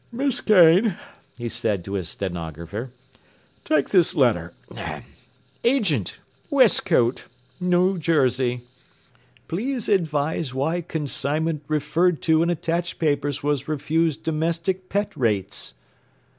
“Miss Kane,” he said to his stenographer, “take this letter. 'Agent, Westcote, N. J. Please advise why consignment referred to in attached papers was refused domestic pet rates.